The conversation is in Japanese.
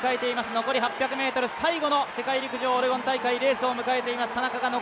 残り８００ｍ、最後の世界陸上オレゴン大会を迎えています。